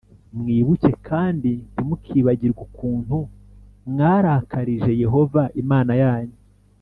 Mwibuke kandi ntimukibagirwe ukuntu mwarakarije yehova imana yanyu